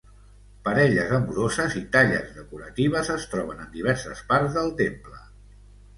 Parelles amoroses i talles decoratives es troben en diverses parts del temple.